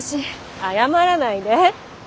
謝らないで。